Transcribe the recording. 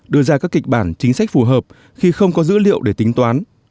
đưa ra các kịch bản chính sách phù hợp khi không có dữ liệu để tính toán